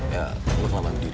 ya lo selamatkan diri